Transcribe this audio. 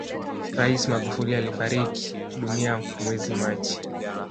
rais magufuli alifariki dunia mwezi machi